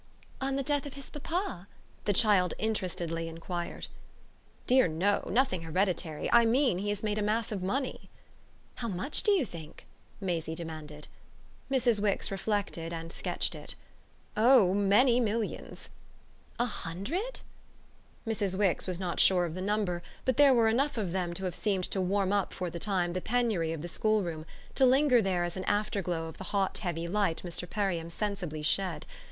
"On the death of his papa?" the child interestedly enquired. "Dear no nothing hereditary. I mean he has made a mass of money." "How much, do you think?" Maisie demanded. Mrs. Wix reflected and sketched it. "Oh many millions." "A hundred?" Mrs. Wix was not sure of the number, but there were enough of them to have seemed to warm up for the time the penury of the schoolroom to linger there as an afterglow of the hot heavy light Mr. Perriam sensibly shed.